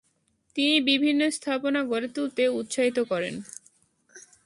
তিনি বিভিন্ন স্থাপনা গড়ে তুলতে উৎসাহিত করেন।